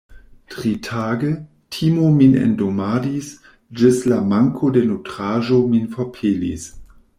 Tritage, timo min endomadis, ĝis la manko de nutraĵo min forpelis.